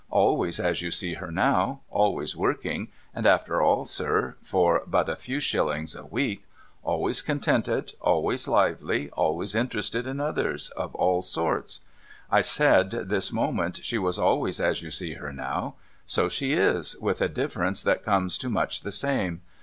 Always as you see her now. Always working — and after all, sir, for but a very few shillings a week — always contented, always lively, always interested in others, of all sorts. I said, this moment, she was always as you see her now. So she is, with a difference that comes to much the same.